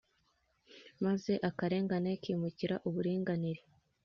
maze akarengane kimukira uburinganire